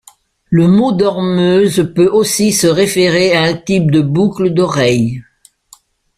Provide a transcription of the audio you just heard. Le mot dormeuse peut aussi se référer à un type de boucle d'oreille.